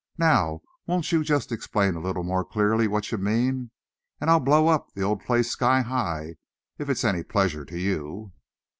Now won't you just explain a little more clearly what you mean, and I'll blow up the old place sky high, if it's any pleasure to you."